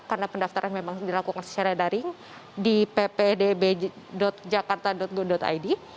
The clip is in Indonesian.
karena pendaftaran memang dilakukan secara daring di ppdb jakarta go id